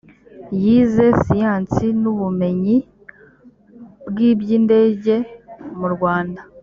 yize siyansi n’ubumenyi bw’iby’indege mu rwanda